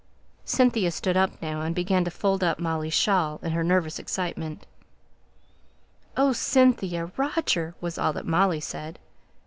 Cynthia stood up now, and began to fold up Molly's shawl, in her nervous excitement. "Oh, Cynthia Roger!" was all that Molly said.